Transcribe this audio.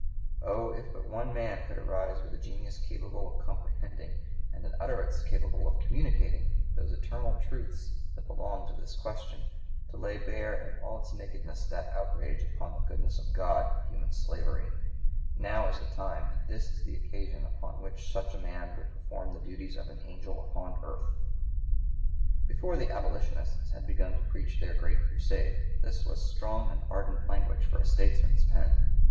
Oh, if but one man could arise with a genius capable of comprehending, and an utterance capable of communicating those eternal truths that belong to this question, to lay bare in all its nakedness that outrage upon the goodness of God, human slavery; (p. 121) now is the time and this is the occasion, upon which such a man would perform the duties of an angel upon earth." Before the Abolitionists had begun to preach their great crusade this was strong and ardent language for a statesman's pen.